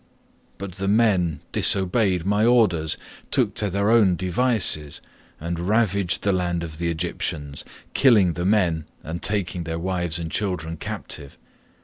"But the men disobeyed my orders, took to their own devices, and ravaged the land of the Egyptians, killing the men, and taking their wives and children captive.